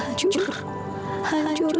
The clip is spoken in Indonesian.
mas lu suka gombalin aku banget